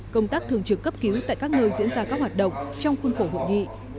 công tác thường trực cấp cứu tại các nơi diễn ra các hoạt động trong khuôn khổ hội nghị